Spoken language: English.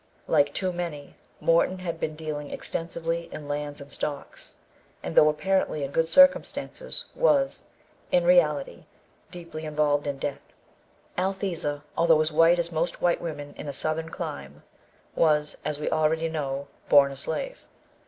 Like too many, Morton had been dealing extensively in lands and stocks; and though apparently in good circumstances was, in reality, deeply involved in debt. Althesa, although as white as most white women in a southern clime, was, as we already know, born a slave.